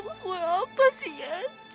mereka itu nganggep gue apa sih ya